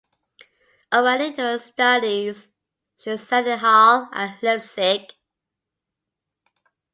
Already during her studies she sang in Halle and Leipzig.